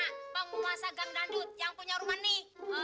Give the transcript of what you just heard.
nyak jangan tinggalin dia